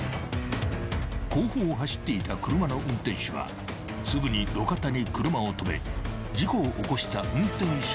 ［後方を走っていた車の運転手はすぐに路肩に車を止め事故を起こした運転手の元へ］